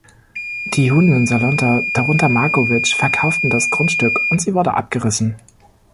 Die Juden in Salonta, darunter Markowitsch, verkauften das Grundstück und sie wurde abgerissen.